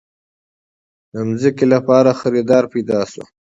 د ځمکې لپاره خريدار پېدا شو.